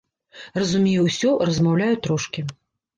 Разумею ўсё, размаўляю трошкі.